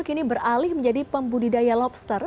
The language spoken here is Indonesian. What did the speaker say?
kini beralih menjadi pembudidaya lobster